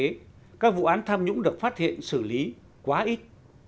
tuy nhiên các vụ án tham nhũng được phát hiện xử lý quá ít